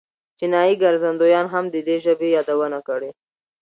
چینایي ګرځندویانو هم د دې ژبې یادونه کړې.